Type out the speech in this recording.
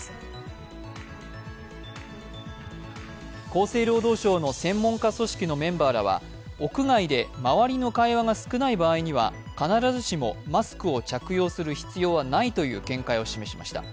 厚生労働省の専門家組織のメンバーらは屋外で周りの会話が少ない場合には必ずしもマスクを着用する必要はないという見解を示しました。